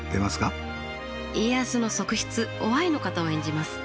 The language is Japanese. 家康の側室於愛の方を演じます。